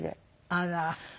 あら。